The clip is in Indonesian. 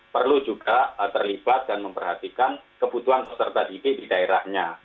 perlu juga terlibat dan memperhatikan kebutuhan peserta didik di daerahnya